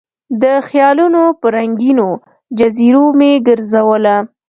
د خیالونو په رنګینو جزیرو مې ګرزوله